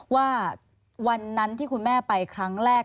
ว่าวันนั้นที่คุณแม่ไปครั้งแรก